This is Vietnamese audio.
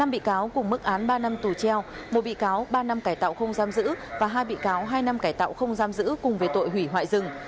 năm bị cáo cùng mức án ba năm tù treo một bị cáo ba năm cải tạo không giam giữ và hai bị cáo hai năm cải tạo không giam giữ cùng với tội hủy hoại rừng